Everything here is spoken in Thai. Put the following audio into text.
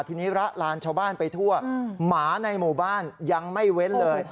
ทีนี้ละลานชาวบ้านไปทั่วหมาในหมู่บ้านยังไม่เว้นเลย